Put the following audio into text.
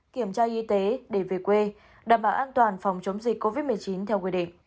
kiểm tra y tế để về quê đảm bảo an toàn phòng chống dịch covid một mươi chín theo quy định